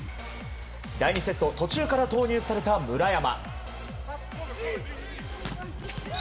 第２セット途中から投入された村山。